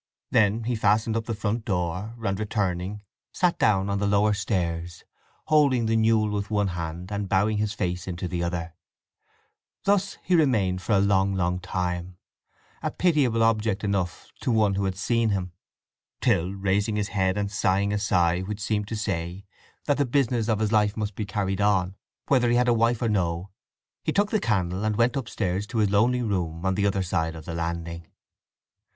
Then he fastened up the front door, and returning, sat down on the lower stairs, holding the newel with one hand, and bowing his face into the other. Thus he remained for a long long time—a pitiable object enough to one who had seen him; till, raising his head and sighing a sigh which seemed to say that the business of his life must be carried on, whether he had a wife or no, he took the candle and went upstairs to his lonely room on the other side of the landing.